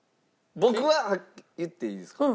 僕は言っていいですか？